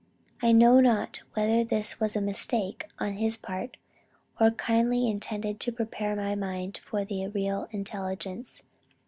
I know not whether this was a mistake on his part, or kindly intended to prepare my mind for the real intelligence.